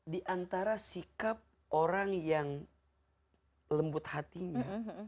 di antara sikap orang yang lembut hatinya